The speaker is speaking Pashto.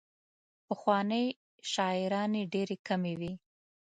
پخوانۍ شاعرانې ډېرې کمې وې.